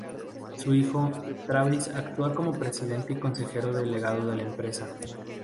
Su hijo, Travis actúa como presidente y consejero delegado de la empresa.